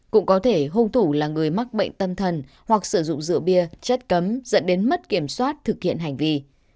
cũng có thể hung thủ là người mắc bệnh tâm thần hoặc sử dụng rượu bia chất cấm dẫn đến mất kiểm soát thực hiện hành vi